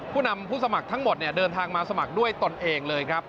ผู้นำผู้สมัครทั้งหมดเดินทางมาสมัครด้วยตนเองเลยครับ